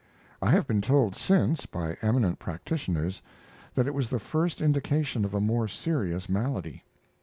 I have been told since, by eminent practitioners, that it was the first indication of a more serious malady.